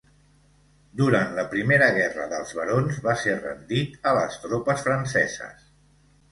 Durant la Primera Guerra dels Barons, va ser rendit a les tropes franceses.